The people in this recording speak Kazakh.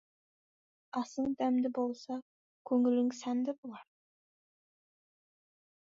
Асың дәмді болса, көңілің сәнді болар.